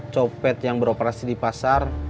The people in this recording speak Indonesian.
copet yang beroperasi di pasar